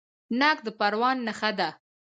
ناک د پروان نښه ده.